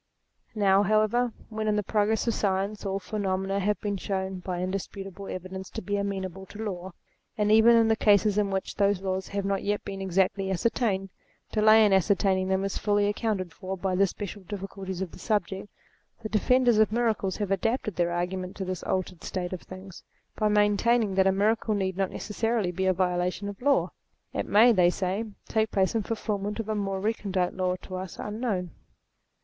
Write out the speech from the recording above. Now, however, when, in the progress of science, all phenomena have been shown, by indisputable evidence, to be amenable to law, and even in the cases in which those laws have not yet been exactly ascertained, delay in ascertaining them is fully accounted for by the special difficulties of the subject ; the defenders of miracles have adapted their argument to this altered state of things, by maintaining that a miracle need not necessarily be a violation of law. It may, they say, take place in fulfilment of a more recondite law, to us unknown.